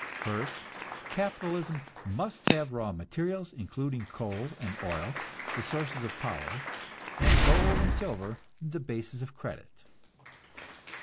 First, capitalism must have raw materials, including coal and oil, the sources of power, and gold and silver, the bases of credit.